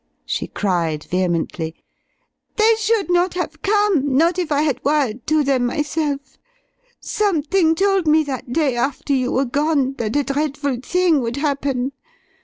she cried, vehemently. "They should not have come not if I had wired to them myself! Something told me that day, after you were gone, that a dreadful thing would happen.